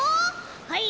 はい。